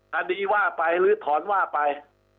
คดีว่าไปหรือถอนว่าไป